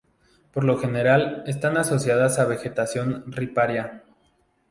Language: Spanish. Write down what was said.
Por lo general están asociadas a vegetación riparia.